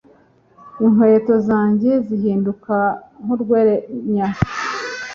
Inkweto zanjye zihinduka nkurwenya